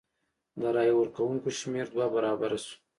د رای ورکوونکو شمېر دوه برابره شو.